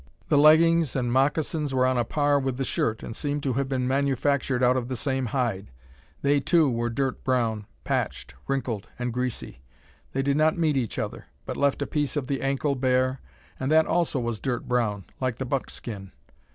The leggings and moccasins were on a par with the shirt, and seemed to have been manufactured out of the same hide. They, too, were dirt brown, patched, wrinkled, and greasy. They did not meet each other, but left a piece of the ankle bare, and that also was dirt brown, like the buck skin.